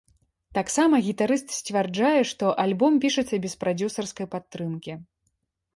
Таксама гітарыст сцвярджае, што альбом пішацца без прадзюсарскай падтрымкі.